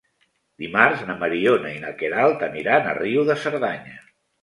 Dimarts na Mariona i na Queralt aniran a Riu de Cerdanya.